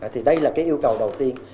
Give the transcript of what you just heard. thì đây là yêu cầu đầu tiên